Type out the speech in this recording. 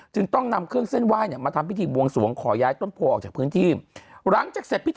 จึงต้องนำเครื่องเส้นไหว้มาทำพิธีบวงสวง